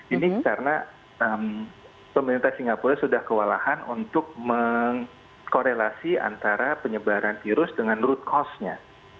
ini karena pemerintah singapura sudah kewalahan untuk mengkorelasi antara penyebaran virus dengan root cost nya